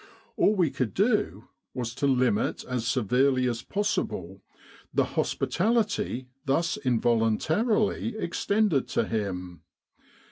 All we could do was to limit as severely as possible the hospitality thus involuntarily extended to him.